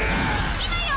今よ！